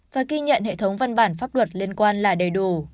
và ghi nhận hệ thống văn bản pháp luật liên quan là đầy đủ